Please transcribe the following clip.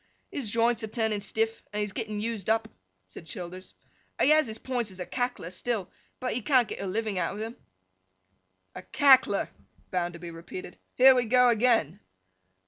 'His joints are turning stiff, and he is getting used up,' said Childers. 'He has his points as a Cackler still, but he can't get a living out of them.' 'A Cackler!' Bounderby repeated. 'Here we go again!